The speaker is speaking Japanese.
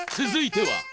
続いては。